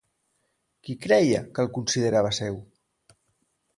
Qui creia que el considerava seu?